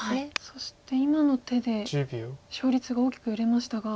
そして今の手で勝率が大きく揺れましたが。